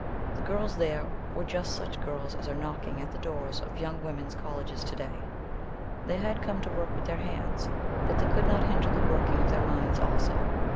The girls there were just such girls as are knocking at the doors of young women's colleges to day. They had come to work with their hands, but they could not hinder the working of their minds also.